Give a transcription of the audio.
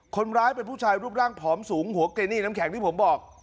คนร้ายเป็นผู้ชายรูปร่างผอมสูงหัวเกณีน้ำแข็งที่ผมบอก